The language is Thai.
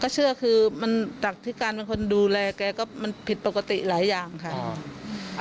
เชื่อคือมันจากที่การเป็นคนดูแลแกก็มันผิดปกติหลายอย่างค่ะ